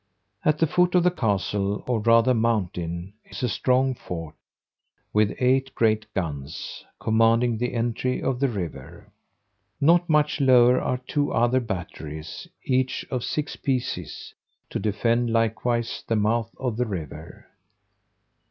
At the foot of the castle, or rather mountain, is a strong fort, with eight great guns, commanding the entry of the river. Not much lower are two other batteries, each of six pieces, to defend likewise the mouth of the river.